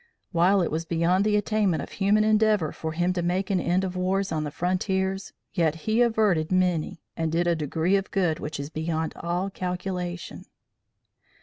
While it was beyond the attainment of human endeavor for him to make an end of wars on the frontiers, yet he averted many and did a degree of good which is beyond all calculation.